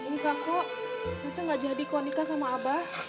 nggak kok nanti gak jadi kok nikah sama abah